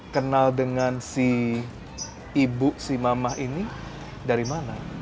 kenal dengan si ibu si mama ini dari mana